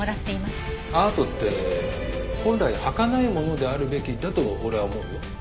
アートって本来儚いものであるべきだと俺は思うよ。